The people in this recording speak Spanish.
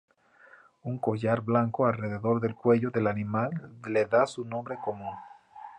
Un collar blanco alrededor del cuello del animal le da su nombre común.